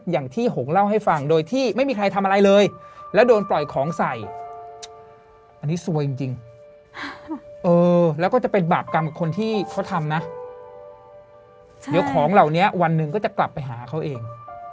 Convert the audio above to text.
อย่างที่หงเล่าให้ฟังโดยที่ไม่มีใครทำอะไรเลยแล้วโดนปล่อยของใส่อันนี้ซวยจริงแล้วก็จะเป็นบาปกรรมกับคนที่เขาทำนะเดี๋ยวของเหล่านี้วันหนึ่งก็จะกลับไปหาเขาเอง